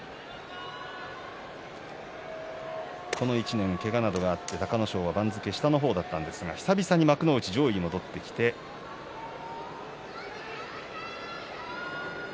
この１年、けがなどがあって隆の勝は番付下の方だったんですが久々に幕内上位に戻ってきました。